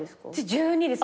１２です。